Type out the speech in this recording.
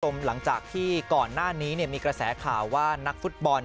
หลังจากที่ก่อนหน้านี้มีกระแสข่าวว่านักฟุตบอล